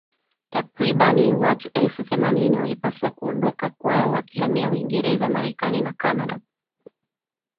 Takriban watu elfu themanini walipaswa kuondoka kwao wakihamia Uingereza Marekani na Kanada